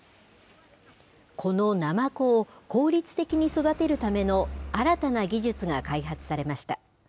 このナマコを効率的に育てるための新たな技術が開発されました。